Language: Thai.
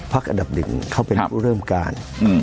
อันดับหนึ่งเขาเป็นผู้เริ่มการ